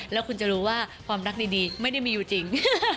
แล้วคุณจะรู้ว่าความรักดีไม่ได้มีอยู่จริง